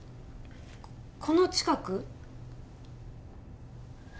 この近く？